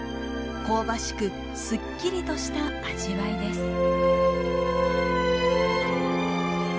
香ばしくすっきりとした味わいです。